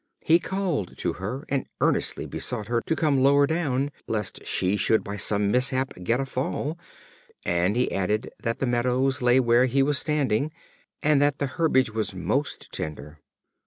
He called to her, and earnestly besought her to come lower down, lest she should by some mishap get a fall; and he added that the meadows lay where he was standing, and that the herbage was most tender.